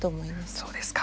そうですか。